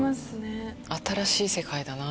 新しい世界だな。